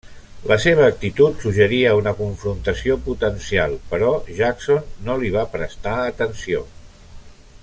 La seva actitud suggeria una confrontació potencial, però Jackson no li va prestar atenció.